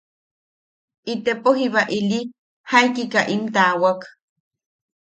Itepo jiba ili jaikika im taawak.